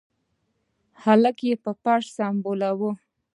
هلک يې په فرش سملوه.